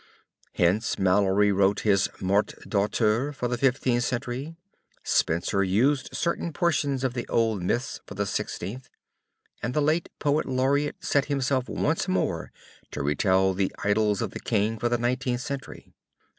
Hence Malory wrote his Morte D'Arthur for the Fifteenth Century, Spenser used certain portions of the old myths for the Sixteenth, and the late Poet laureate set himself once more to retell the Idyls of the King for the Nineteenth Century.